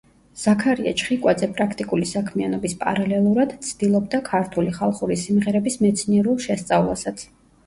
ზაქარია ჩხიკვაძე პრაქტიკული საქმიანობის პარალელურად ცდილობდა ქართული ხალხური სიმღერების მეცნიერულ შესწავლასაც.